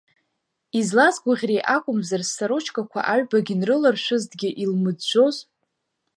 Излазгәыӷьри акәымзар, ссарочкақәа аҩбагь нрыларшәызҭгьы, илмыӡәӡәоз?!